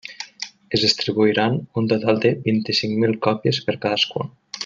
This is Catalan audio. Es distribuiran un total de vint-i-cinc mil còpies per cadascun.